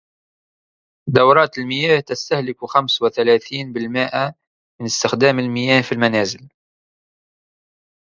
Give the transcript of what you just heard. دورات المياه تستهلك خمسو وثلاثين بالمئة من إستخدام المياه في المنازل.